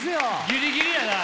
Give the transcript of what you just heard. ギリギリやな！